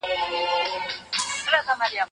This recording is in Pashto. د لرګيو کارونه څنګه پيل سول؟